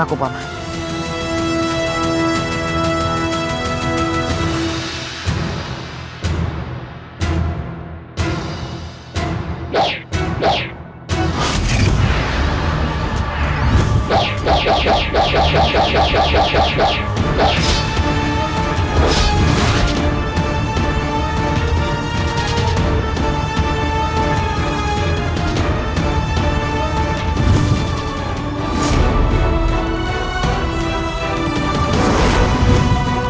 aku akan menangkapmu